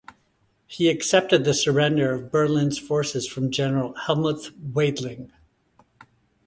He accepted the surrender of Berlin's forces from General Helmuth Weidling.